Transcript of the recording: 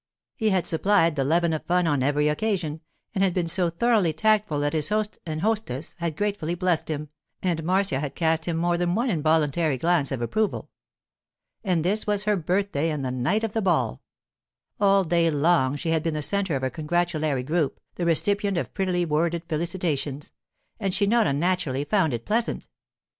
He had supplied the leaven of fun on every occasion, and had been so thoroughly tactful that his host and hostess had gratefully blessed him, and Marcia had cast him more than one involuntary glance of approval. And this was her birthday and the night of the ball. All day long she had been the centre of a congratulatory group, the recipient of prettily worded felicitations; and she not unnaturally found it pleasant.